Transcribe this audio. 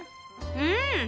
うん！